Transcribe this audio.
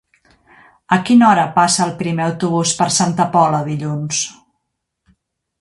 A quina hora passa el primer autobús per Santa Pola dilluns?